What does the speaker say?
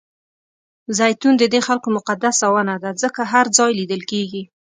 زیتون ددې خلکو مقدسه ونه ده ځکه هر ځای لیدل کېږي.